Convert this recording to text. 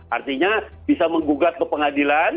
artinya bisa menggugat ke pengadilan